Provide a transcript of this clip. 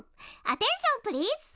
アテンションプリーズ！